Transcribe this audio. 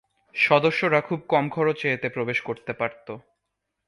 সদস্যরা খুব কম খরচে এতে প্রবেশ করতে পারত।